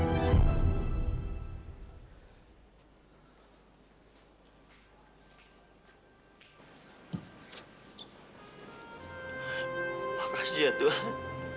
terima kasih ya tuhan